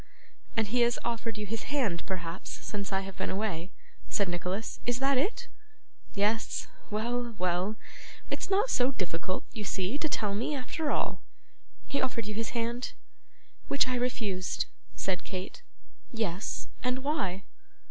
'And he has offered you his hand, perhaps, since I have been away,' said Nicholas; 'is that it? Yes. Well, well; it is not so difficult, you see, to tell me, after all. He offered you his hand?' 'Which I refused,' said Kate. 'Yes; and why?